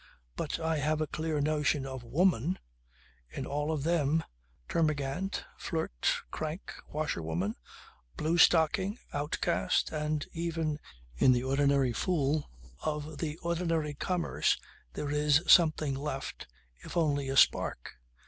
But I have a clear notion of woman. In all of them, termagant, flirt, crank, washerwoman, blue stocking, outcast and even in the ordinary fool of the ordinary commerce there is something left, if only a spark.